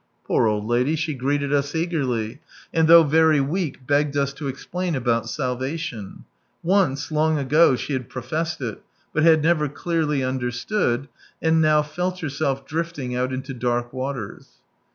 Poor old lady, she greeted us eagerly, and though very weak begged us to explain about salvation ; once, long ago, she had professed it, but had never clearly understood, and now felt herself drifting out into dark waters.